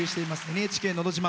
「ＮＨＫのど自慢」。